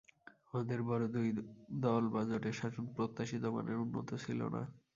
আমাদের বড় দুই দল বা জোটের শাসন প্রত্যাশিত মানের উন্নত ছিল না।